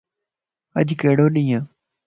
اڄ ڪھڙو ڏينھن ائي